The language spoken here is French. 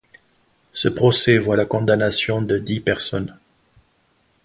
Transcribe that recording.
Ce procès voit la condamnation de dix personnes.